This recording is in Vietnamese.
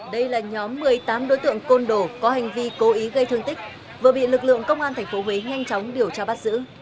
đây là nhóm một mươi tám đối tượng côn đồ có hành vi cố ý gây thương tích vừa bị lực lượng công an tp huế nhanh chóng điều tra bắt giữ